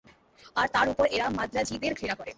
আর, তার ওপর এরা মাদ্রাজিদের ঘৃণা করে।